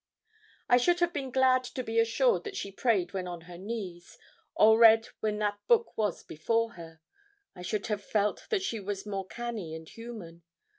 I should have been glad to be assured that she prayed when on her knees, or read when that book was before her; I should have felt that she was more canny and human.